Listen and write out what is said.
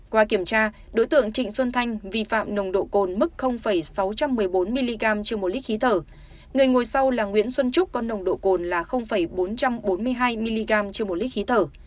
qua kiểm tra đối tượng trịnh xuân thanh vi phạm nồng độ cồn mức sáu trăm một mươi bốn mg trên một lít khí thở người ngồi sau là nguyễn xuân trúc có nồng độ cồn là bốn trăm bốn mươi hai mg trên một lít khí thở